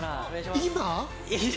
今？